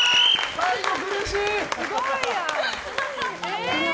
最後苦しい！